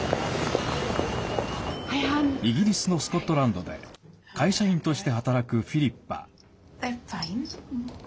イギリスのスコットランドで会社員として働くフィリッパ。